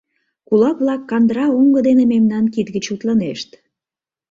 Кулак-влак кандыра оҥго дене мемнан кид гыч утлынешт.